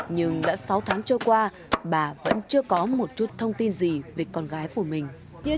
nhưng đã sáu tháng trôi qua bà vẫn chưa có một chút thông tin gì về con gái của mình